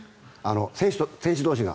選手同士が。